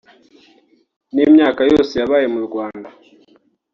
n’imyaka yose yabaye mu Rwanda